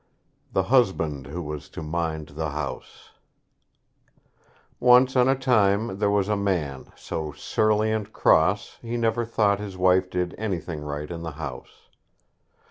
THE HUSBAND WHO WAS TO MIND THE HOUSE Once on a time there was a man, so surly and cross, he never thought his wife did anything right in the house.